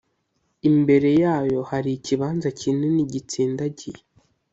imbere yayo hari ikibanza kinini gitsindagiye.